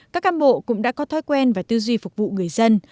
các cam bộ cũng đã có thói quen và tư duy phục vụ người dân